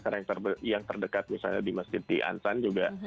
karena yang terdekat misalnya di masjid di ansan juga